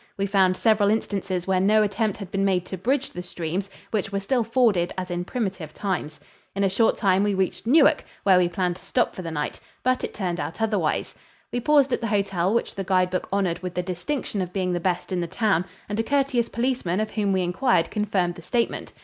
We found several instances where no attempt had been made to bridge the streams, which were still forded as in primitive times. In a short time we reached Newark, where we planned to stop for the night but it turned out otherwise. We paused at the hotel which the guide book honored with the distinction of being the best in the town and a courteous policeman of whom we inquired confirmed the statement.